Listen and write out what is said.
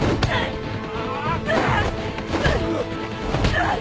うっ！？